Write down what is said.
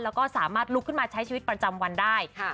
แล้วก็สามารถลุกขึ้นมาใช้ชีวิตประจำวันได้